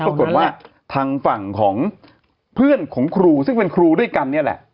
ปรากฏว่าทางฝั่งของเพื่อนของครูซึ่งเป็นครูด้วยกันนี่แหละ